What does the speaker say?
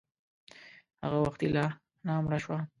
هغه وختي لا انا مړه شوه.